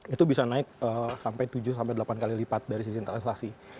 itu bisa naik sampai tujuh delapan kali lipat dari sisi transaksi